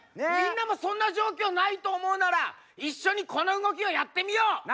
みんなもそんな状況ないと思うなら一緒にこの動きをやってみよう！